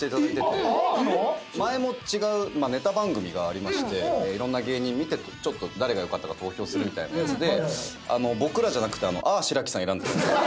前も違うネタ番組がありましていろんな芸人見て誰が良かったか投票するみたいなやつで僕らじゃなくてあぁしらきさん選んでた。